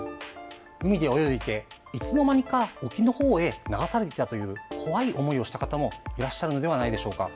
海で泳いでいていつの間にか沖のほうへ流されていたという怖い思いをした方もいらっしゃるのではないでしょうか。